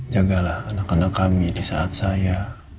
jagalah anak anak kami di saat saya